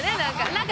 何か。